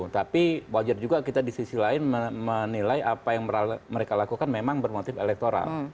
tapi wajar juga kita di sisi lain menilai apa yang mereka lakukan memang bermotif elektoral